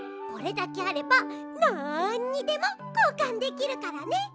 これだけあればなんにでもこうかんできるからね。